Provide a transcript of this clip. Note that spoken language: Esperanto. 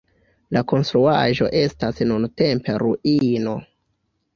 La konstruaĵo estas nuntempe ruino.